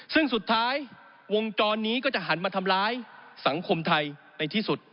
ซึ่งสุดท้ายวงจรนี้ก็จะหันมาทำร้ายสังคมไทยในที่สุด